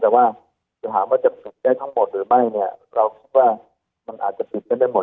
แต่ว่าจะถามว่าจะปิดได้ทั้งหมดหรือไม่เนี่ยเราคิดว่ามันอาจจะปิดไม่ได้หมด